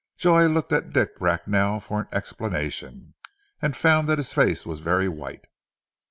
Joy looked at Dick Bracknell for an explanation, and found that his face was very white.